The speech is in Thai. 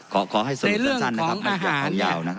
ขอให้สนุกสันสั้นนะครับในเรื่องของอาหารเนี่ย